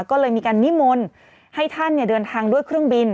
ก็เลยมีการนิมนต์ให้ท่านเดินทางด้วยเครื่องบิน